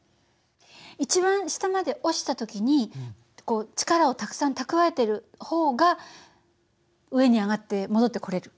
一番下まで落ちた時に力をたくさん蓄えている方が上に上がって戻ってこれる。